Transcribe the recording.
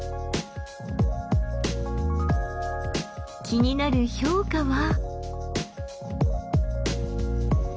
気になる評価は。